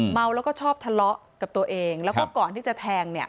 เมาแล้วก็ชอบทะเลาะกับตัวเองแล้วก็ก่อนที่จะแทงเนี่ย